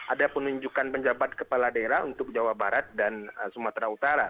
ada penunjukan penjabat kepala daerah untuk jawa barat dan sumatera utara